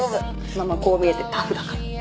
ママこう見えてタフだから。